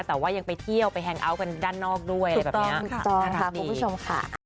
แต่ว่ายังไปเที่ยวไปแฮงเอาท์กันด้านนอกด้วยอะไรแบบเนี้ยถูกต้องค่ะขอบคุณผู้ชมค่ะ